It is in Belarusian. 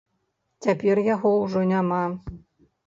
Цяпер яго ўжо няма.